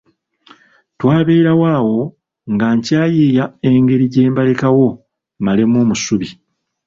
Twabeerawo awo nga nkyayiiya engeri gye mbalekawo mmalemu omusubi.